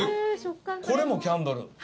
これもキャンドル？